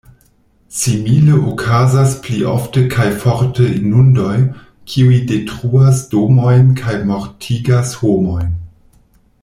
Simile okazas pli ofte kaj forte inundoj, kiuj detruas domojn kaj mortigas homojn.